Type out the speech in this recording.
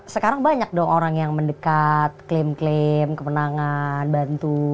sekarang banyak dong orang yang mendekat klaim klaim kemenangan bantu